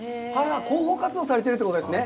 広報活動をされているということですね。